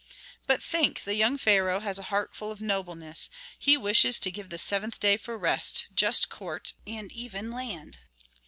"But think, the young pharaoh has a heart full of nobleness; he wishes to give the seventh day for rest, just courts, and even land."